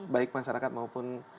baik masyarakat maupun